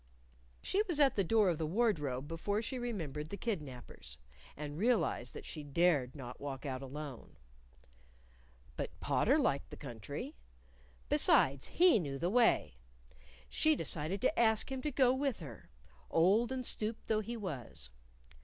_ She was at the door of the wardrobe before she remembered the kidnapers, and realized that she dared not walk out alone. But Potter liked the country. Besides, he knew the way. She decided to ask him to go with her old and stooped though he was.